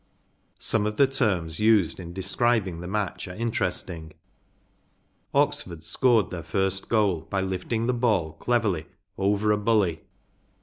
Some of the terms used in describing the match are interesting. Oxford scored their first goal by lifting the ball cleverly “ over a bully.